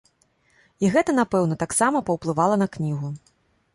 І гэта, напэўна, таксама паўплывала на кнігу.